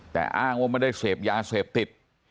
แต่อ้างว่าไม่ได้เสพยาเสพติด